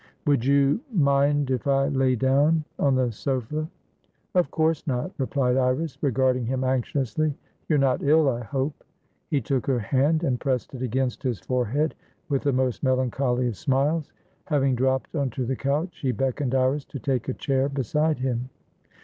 "Would youmindif I lay downon the sofa?" "Of course not," replied Iris, regarding him anxiously. "You're not ill, I hope?" He took her hand, and pressed it against his forehead, with the most melancholy of smiles. Having dropped onto the couch, he beckoned Iris to take a chair beside him.